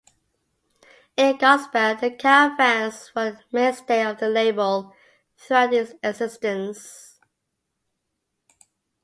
In gospel, The Caravans were a mainstay of the label throughout its existence.